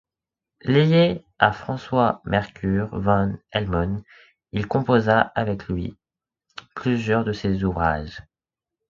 Lié avec François-Mercure Van Helmont, il composa avec lui plusieurs de ses ouvrages.